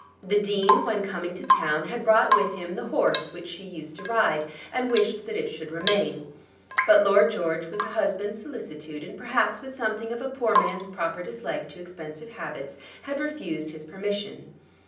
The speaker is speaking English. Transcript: The Dean, when coming to town, had brought with him the horse which she used to ride, and wished that it should remain. But Lord George, with a husband's solicitude, and perhaps with something of a poor man's proper dislike to expensive habits, had refused his permission.